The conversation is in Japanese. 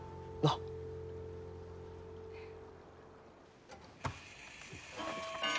うん。